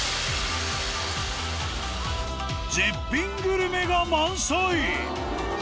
絶品グルメが満載！